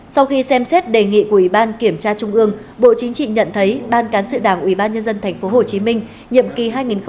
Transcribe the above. sau khi xem xét đề nghị của ubnd tp hcm bộ chính trị nhận thấy ban cán sự đảng ubnd tp hcm nhậm kỳ hai nghìn một mươi sáu hai nghìn hai mươi một